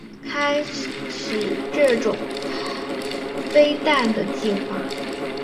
英国詹氏年鉴曾经推测过台湾究竟是怎么开始这种飞弹的计划。